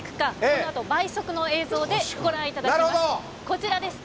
こちらです。